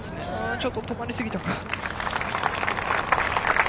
ちょっと止まり過ぎたか？